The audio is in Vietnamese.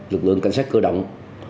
lực lượng cảnh sát cửa động